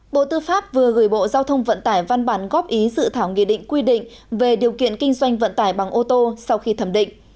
bộ tư pháp vừa gửi bộ giao thông vận tải văn bản góp ý dự thảo nghị định quy định về điều kiện kinh doanh vận tải bằng ô tô sau khi thẩm định